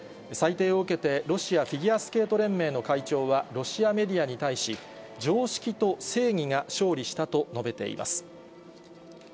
裁定を受けて、ロシアフィギュアスケート連盟の会長はロシアメディアに対し、常識と正義が勝利したと述べています。